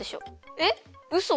えっうそ？